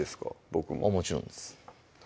僕ももちろんです